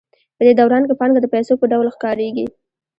په دې دوران کې پانګه د پیسو په ډول ښکارېږي